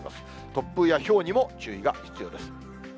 突風やひょうにも注意が必要です。